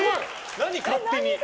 何勝手に。